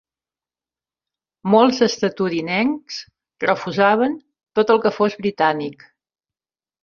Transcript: Molts estatunidencs refusaven tot el que fos britànic.